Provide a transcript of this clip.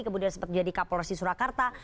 kemudian sempat jadi kapolres surakarta